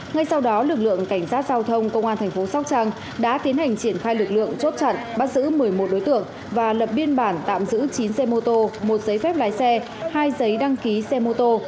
ngay sau đó lực lượng cảnh sát giao thông công an thành phố sóc trăng đã tiến hành triển khai lực lượng chốt chặn bắt giữ một mươi một đối tượng và lập biên bản tạm giữ chín xe mô tô một giấy phép lái xe hai giấy đăng ký xe mô tô